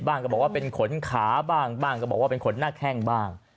ก็บอกว่าเป็นขนขาบ้างบ้างก็บอกว่าเป็นขนหน้าแข้งบ้าง